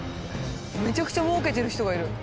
めちゃくちゃもうけてる人がいる。